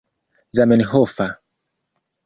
zamenhofa